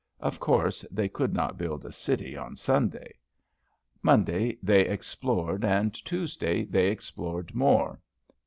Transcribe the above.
Of course they could not build a city on Sunday. Monday they explored, and Tuesday they explored more.